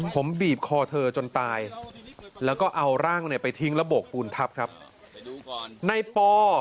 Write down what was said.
ผมบีบคอเธอจนตายและก็เอาร่างไปทิ้งระบกปูนทัพ